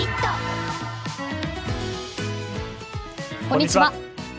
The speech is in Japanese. こんにちは。